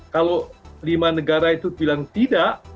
kalau lima negara itu bilang tidak